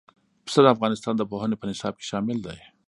پسه د افغانستان د پوهنې په نصاب کې شامل دی.